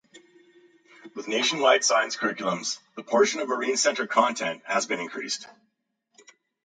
Within nationwide science curriculums the portion of marine centered content has been increased.